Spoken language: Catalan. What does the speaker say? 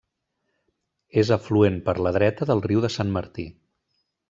És afluent per la dreta del Riu de Sant Martí.